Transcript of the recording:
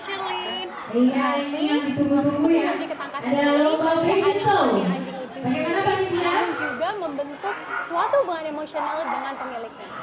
ini untuk menguji ketangkasan sheline yang anjing itu juga membentuk suatu hubungan emosional dengan pengiliknya